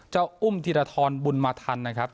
เจ้าอุ้มธิรธรรมบุญมาธรรมนะครับ